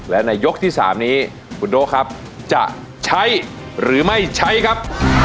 และในยกที่๓นี้คุณโด๊ครับจะใช้หรือไม่ใช้ครับ